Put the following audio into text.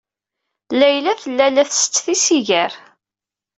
Layla tella la tsett tisigar.